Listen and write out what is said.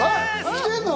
来てんの？